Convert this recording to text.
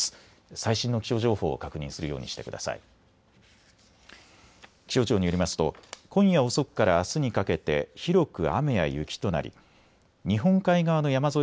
最新の気象情報を確認するようにしてください。